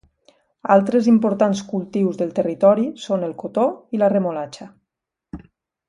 Altres importants cultius del territori són el cotó i la remolatxa.